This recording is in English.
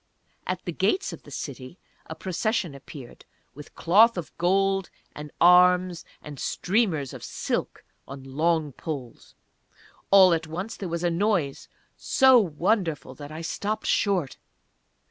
At the gates of the city a Procession appeared, with cloth of gold, and arms, and streamers of silk on long poles. All at once there was a noise so wonderful that I stopped short.